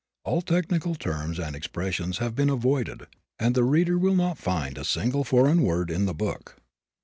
All technical terms and expressions have been avoided and the reader will not find a single foreign word in the book.